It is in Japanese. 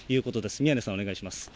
宮根さん、お願いします。